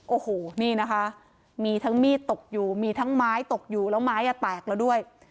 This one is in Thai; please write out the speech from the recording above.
โอ้โหนี่นะคะมีทั้งมีดตกอยู่มีทั้งไม้ตกอยู่แล้วไม้แตกแล้วด้วย